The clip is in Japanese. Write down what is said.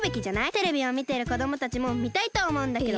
テレビをみてるこどもたちもみたいとおもうんだけど。